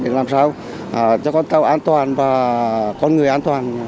làm sao cho con tàu an toàn và con người an toàn